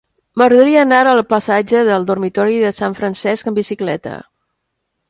M'agradaria anar al passatge del Dormitori de Sant Francesc amb bicicleta.